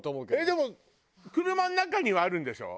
でも車の中にはあるんでしょ？